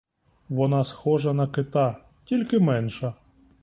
Вона схожа на кита, тільки менша.